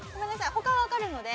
他はわかるので。